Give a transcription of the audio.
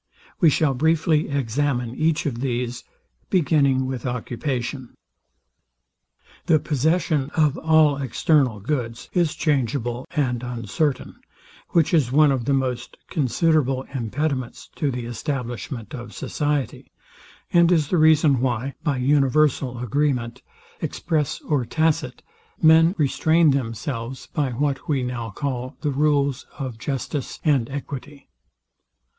We shall briefly examine each of these, beginning with Occupation. The possession of all external goods is changeable and uncertain; which is one of the most considerable impediments to the establishment of society, and is the reason why, by universal agreement, express or tacite, men restrain themselves by what we now call the rules of justice and equity.